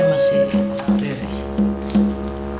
aduh apa sih emang sih